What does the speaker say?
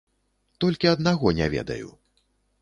Толькі аднаго не ведаю.